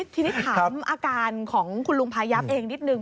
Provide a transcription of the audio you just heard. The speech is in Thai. ทีนี้ถามอาการของคุณลุงพายับเองนิดนึง